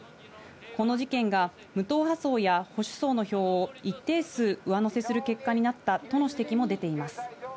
この事件が無党派層や保守層の票を一定数、上乗せする結果になったとの指摘も出ています。